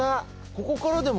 ここからでも。